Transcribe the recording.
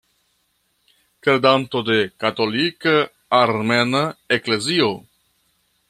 Kredanto de Katolika Armena Eklezio.